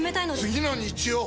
次の日曜！